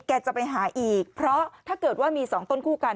จะไปหาอีกเพราะถ้าเกิดว่ามีสองต้นคู่กัน